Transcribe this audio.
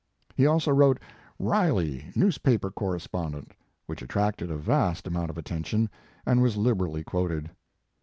He also wrote "Riley Newspaper Corres pondent" which attracted a vast amount of attention and was liberally quoted.